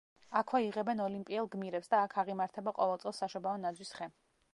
აქვე იღებენ ოლიმპიელ გმირებს და აქ აღიმართება ყოველ წელს საშობაო ნაძვის ხე.